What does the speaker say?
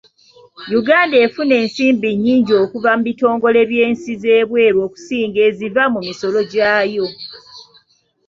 Uganda efuna ensimbi nnyingi okuva mu bitongole by'ensi z'ebweru okusinga eziva mu misolo gyayo.